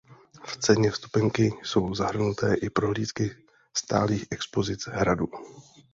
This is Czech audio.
V ceně vstupenky jsou zahrnuté i prohlídky stálých expozic hradů.